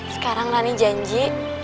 sekarang nani janji